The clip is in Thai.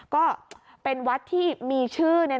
ก็เป็นวัดที่มีชื่อ